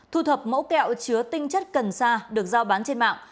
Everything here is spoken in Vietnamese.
thu thập mẫu kẹo chứa tinh chất cần sa được giao bán trên mạng